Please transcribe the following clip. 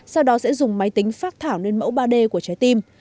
sau đó sẽ dùng máy tính phát thảo lên mẫu ba d của trái tim